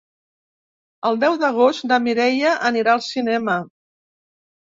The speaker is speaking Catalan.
El deu d'agost na Mireia anirà al cinema.